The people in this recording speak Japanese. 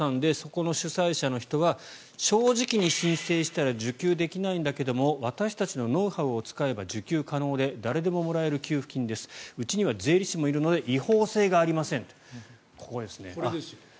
ここの主催者の人は正直に申請したら受給できないんだけれども私たちのノウハウを使えば受給可能で誰でももらえる給付金ですうちには税理士もいるので違法性がありませんとここですね。